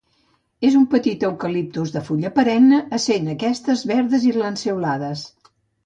És un petit eucaliptus de fulla perenne, essent aquestes verdes i lanceolades.